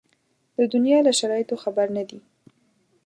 د دنیا له شرایطو خبر نه دي.